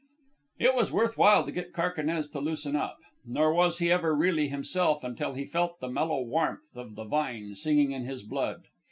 It was worth while to get Carquinez to loosen up. Nor was he ever really himself until he felt the mellow warmth of the vine singing in his blood.